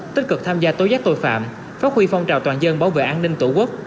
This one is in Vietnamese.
tích cực tham gia tối giác tội phạm phát huy phong trào toàn dân bảo vệ an ninh tổ quốc